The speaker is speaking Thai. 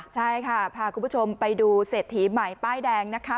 ใช่ค่ะพาคุณผู้ชมไปดูเศรษฐีใหม่ป้ายแดงนะคะ